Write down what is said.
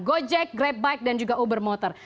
gojek grab bike dan juga uber motor